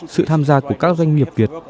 sự tham gia của các doanh nghiệp việt